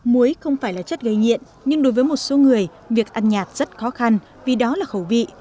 muối không phải là chất gây nhiện nhưng đối với một số người việc ăn nhạt rất khó khăn vì đó là khẩu vị